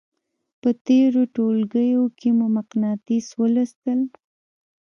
په تېرو ټولګیو کې مو مقناطیس ولوستل.